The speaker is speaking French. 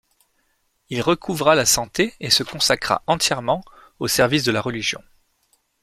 Il recouvra la santé et se consacra entièrement au service de la religion.